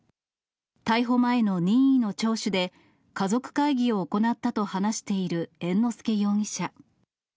逮捕前の任意の聴取で、家族会議を行ったと話している猿之助容疑者。